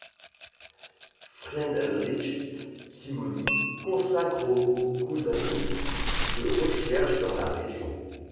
Friedrich Simony consacre au beaucoup d'années de recherche dans la région.